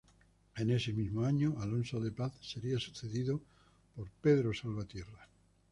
En ese mismo año Alonso de Paz sería sucedido por Pedro Salvatierra.